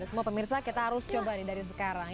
semua pemirsa kita harus coba nih dari sekarang